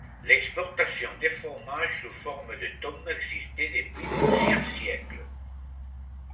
L’exportation de fromages sous forme de tommes existait depuis plusieurs siècles.